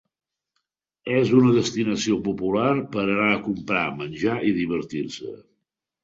És una destinació popular per anar a comprar, menjar i divertir-se.